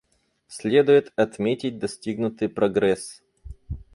Следует отметить достигнутый прогресс.